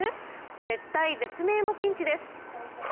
絶体絶命のピンチです。